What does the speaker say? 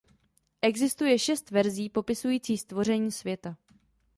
Existuje šest verzí popisující stvoření světa.